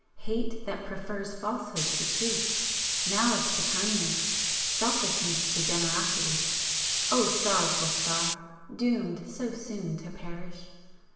Hate that prefers falsehood to truth, malice to kindness, selfishness to generosity! O Sorrowful Star! doomed so soon to perish!